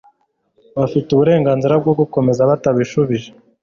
bafite uburenganzira bwo gukomeza batabishubije